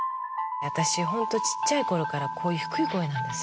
私、本当、ちっちゃいころからこういう低い声なんです。